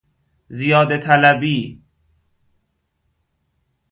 زیاده طلبی